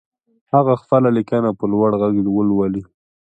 خپله هغه ليکنه په لوړ غږ ولولئ.